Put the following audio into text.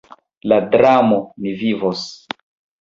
La dramo "Ni vivos!